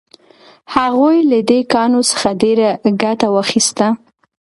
هغوی له دې کاڼو څخه ډیره ګټه واخیسته.